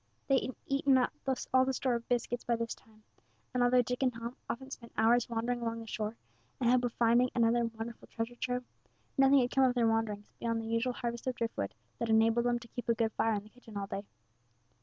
They had eaten up all the store of biscuits by this time; and although Dick and Tom often spent hours wandering along the shore, in the hope of finding another wonderful treasure trove, nothing had come of their wanderings beyond the usual harvest of drift wood that enabled them to keep a good fire in the kitchen all day.